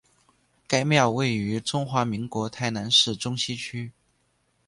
该庙位于中华民国台南市中西区。